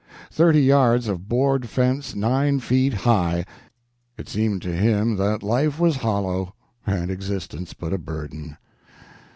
Thirty yards of board fence nine feet high! It seemed to him that life was hollow, and existence but a burden.